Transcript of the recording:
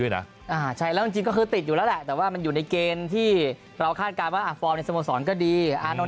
ในสมสรรค์ก็ดี